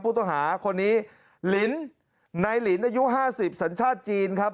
ผู้ต้องหาคนนี้ลินในหลินอายุ๕๐สัญชาติจีนครับ